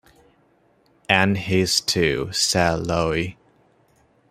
"And his too," said Lowe.